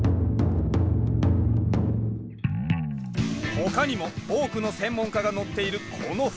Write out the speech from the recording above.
他にも多くの専門家が乗っているこの船。